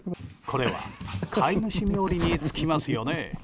これは飼い主冥利に尽きますよね。